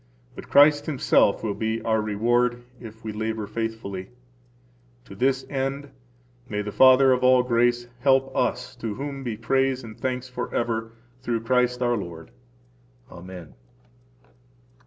But Christ Himself will be our reward if we labor faithfully. To this end may the Father of all grace help us, to whom be praise and thanks forever through Christ, our Lord! Amen.